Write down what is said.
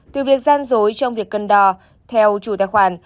từ việc gian dối trong việc cân đò theo chủ tài khoản